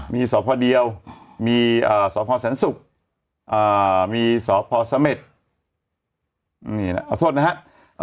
มีสอพอร์ดเดียวมีสอพอร์แสนสุกมีสอพอร์สะเม็ดเอาโทษนะครับ